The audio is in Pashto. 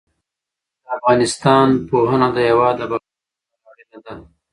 د افغانستان پوهنه د هېواد د بقا لپاره اړینه ده.